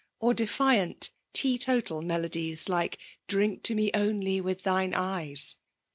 or defiant, teetotal melodies, like 'Drink to Me only with thine Eyes!'